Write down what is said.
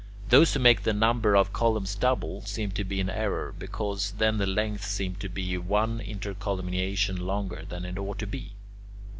Those who make the number of columns double, seem to be in error, because then the length seems to be one intercolumniation longer than it ought to be.